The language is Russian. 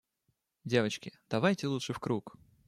Девочки, давайте лучше в круг!..